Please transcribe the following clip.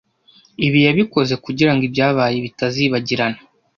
Ibi yabikoze kugirango ibyabaye bitazibagirana